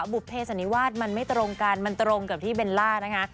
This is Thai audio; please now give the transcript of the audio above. บุภเพสันนิวาสมันไม่ตรงกันมันตรงกับที่เบลล่านะคะ